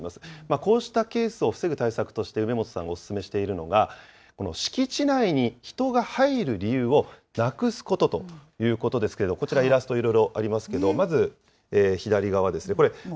こうしたケースを防ぐ対策として、梅本さんがお勧めしているのが、この敷地内に人が入る理由をなくすことということですけど、こちらイラストいろいろありますけれども、まず、左側ですね。